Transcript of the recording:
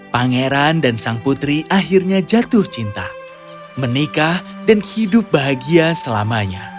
pangeran dan sang putri akhirnya jatuh cinta menikah dan hidup bahagia selamanya